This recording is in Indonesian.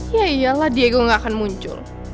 ya iyalah diego gak akan muncul